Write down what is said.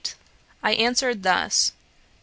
I answered thus: 'TO MR.